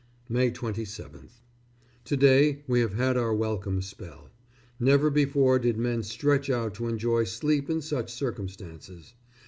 May 27th. To day we have had our welcome spell. Never before did men stretch out to enjoy sleep in such circumstances.